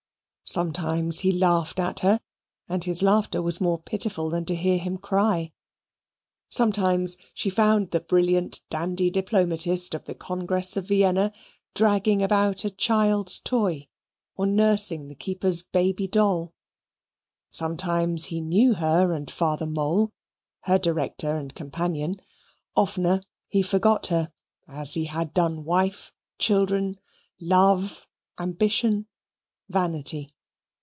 Sometimes he laughed at her (and his laughter was more pitiful than to hear him cry); sometimes she found the brilliant dandy diplomatist of the Congress of Vienna dragging about a child's toy, or nursing the keeper's baby's doll. Sometimes he knew her and Father Mole, her director and companion; oftener he forgot her, as he had done wife, children, love, ambition, vanity.